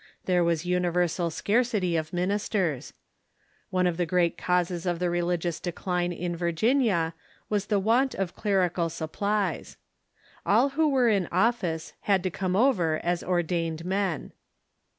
There was universal scarcity of ministers. One of the gi eat causes of the religious decline in Virginia was the want of clerical sup plies. All who were in office had to come over as ordained men.